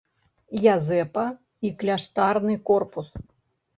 Язэпа і кляштарны корпус.